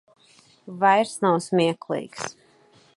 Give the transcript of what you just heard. Vairs nav smieklīgs.